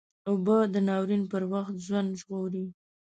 اوبه د ناورین پر وخت ژوند ژغوري